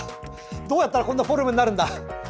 どうやったらこんなフォルムになるんだ。